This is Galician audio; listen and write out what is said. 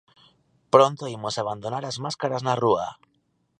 Pronto imos abandonar as máscaras na rúa.